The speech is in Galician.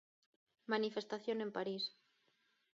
Manifestación en París.